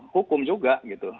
hukum juga gitu